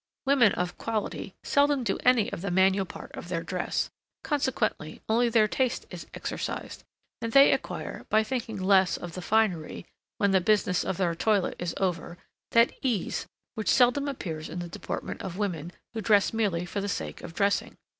Women of quality seldom do any of the manual part of their dress, consequently only their taste is exercised, and they acquire, by thinking less of the finery, when the business of their toilet is over, that ease, which seldom appears in the deportment of women, who dress merely for the sake of dressing.